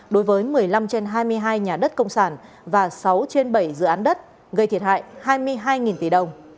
đối với một mươi năm trên hai mươi hai nhà đất công sản và sáu trên bảy dự án đất gây thiệt hại hai mươi hai tỷ đồng